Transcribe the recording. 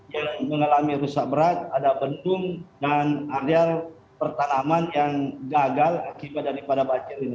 yang mengalami rusak berat ada bendung dan ada pertanaman yang gagal akibat daripada banjir ini